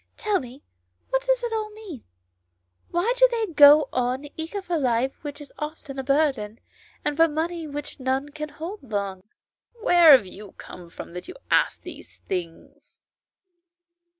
Tell me, what does it all mean ? Why do they go on eager for life which is often a burden, and for money which none can hold long ?"" Where have you come from that you ask these things?"